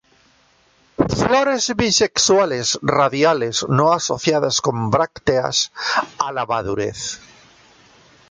Flores bisexuales, radiales, no asociadas con brácteas a la madurez.